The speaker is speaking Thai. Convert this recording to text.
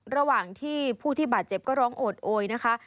ระหว่างที่ผู้ที่บาดเจ็บก็ร้องโอดโอยนะคะ